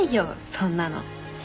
そんなの。